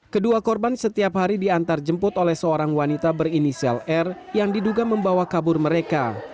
kedua korban setiap hari diantar jemput oleh seorang wanita berinisial r yang diduga membawa kabur mereka